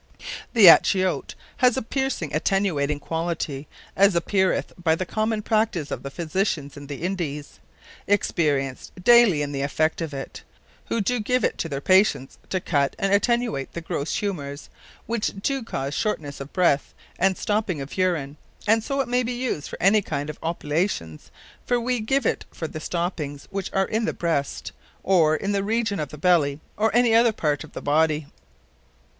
_ The Achiote hath a piercing attenuating quality, as appeareth by the common practice of the Physitians in the Indies, experienced daily in the effects of it, who doe give it to their Patients, to cut, and attenuate the grosse humours, which doe cause shortnesse of breath, and stopping of urine; and so it may be used for any kind of Opilations; for we give it for the stoppings, which are in the breast, or in the Region of the belly, or any other part of the Body.